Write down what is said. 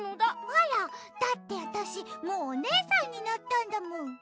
あら？だってわたしもうおねえさんになったんだもん。